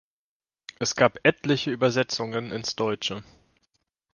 Es gab etliche Übersetzungen ins Deutsche.